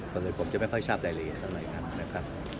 ก็เลยผมจะไม่ค่อยทราบรายละเอียดเท่าไหร่ครับนะครับ